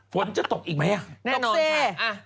ฝนจะตกอีกมั้ยอ่ะตกเส้นแน่นอนค่ะ